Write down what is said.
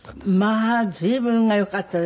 まあ随分運が良かったですよね。